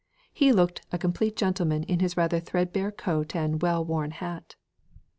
He looked a complete gentleman in his rather threadbare coat and well worn hat.